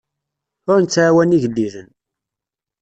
Ur nettɛawan igellilen.